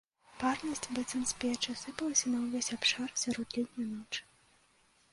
Парнасць, быццам з печы, сыпалася на ўвесь абшар сярод летняй ночы.